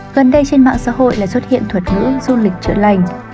gần đây trên mạng xã hội là xuất hiện thuật ngữ du lịch chữa lành